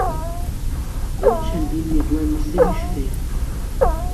ئهو چهندین لێدوانی سهیریش ههیه